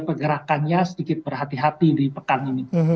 pergerakannya sedikit berhati hati di pekan ini